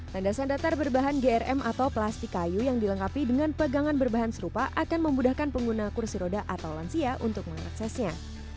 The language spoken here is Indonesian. tandasan datar berbahan grm atau plastik kayu yang dilengkapi dengan pegangan berbahan serupa akan memudahkan pengguna kursi roda atau lansia untuk mengaksesnya